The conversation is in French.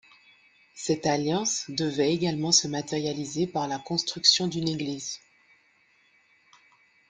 Cette alliance devait également se matérialiser par la construction d’une église.